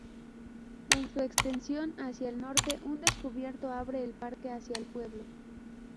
En su extensión hacia el norte, un descubierto abre el parque hacia el pueblo.